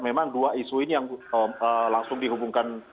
memang dua isu ini yang langsung dihubungkan